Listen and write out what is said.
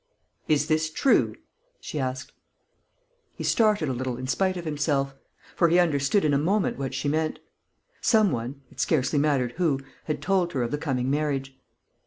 "Is this true?" she asked. He started a little, in spite of himself; for he understood in a moment what she meant. Some one, it scarcely mattered who, had told her of the coming marriage.